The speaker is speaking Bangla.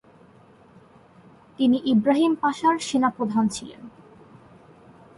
তিনি ইবরাহিম পাশার সেনাপ্রধান ছিলেন।